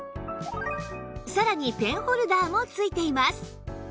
さらにペンホルダーもついています